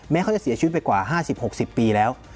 เขาจะเสียชีวิตไปกว่า๕๐๖๐ปีแล้ว